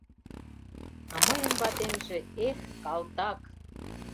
А мыйын ватемже, эх, калтак!